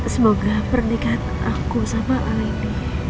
semoga pernikahan aku sama alendi